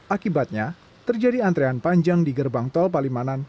akibatnya terjadi antrean panjang di gerbang tol palimanan